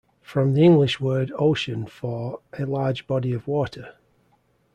From the English word ocean for 'a large body of water'.